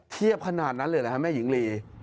เทียบขนาดนั้นเลยหรือครับแม่หญิงลี